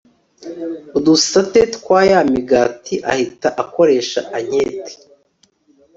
udusate twa ya migati Ahita akoresha anketi